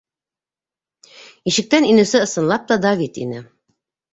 Ишектән инеүсе ысынлап та Давид ине.